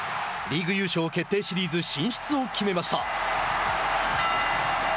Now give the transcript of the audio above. リーグ優勝決定シリーズ進出を決めました。